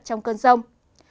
trong cơn rông